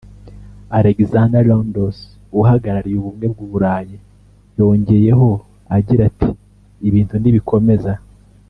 Alexander Rondos uhagarariye Ubumwe bw’u Burayi yongeyeho agira ati "Ibintu nibikomeza